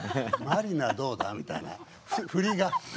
「マリナどうだ？」みたいなフリが。